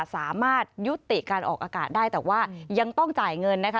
สามารถยุติการออกอากาศได้แต่ว่ายังต้องจ่ายเงินนะคะ